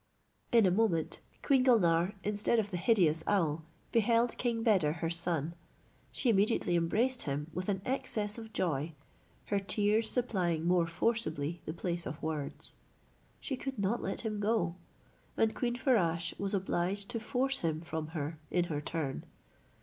In a moment Queen Gulnare, instead of the hideous owl, beheld King Beder her son. She immediately embraced him with an excess of joy, her tears supplying more forcibly the place of words. She could not let him go; and Queen Farasche was obliged to force him from her in her turn.